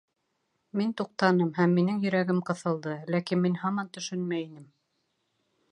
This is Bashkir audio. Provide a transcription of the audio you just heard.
Мин туҡтаным, һәм минең йөрәгем ҡыҫылды, ләкин мин һаман төшөнмәй инем.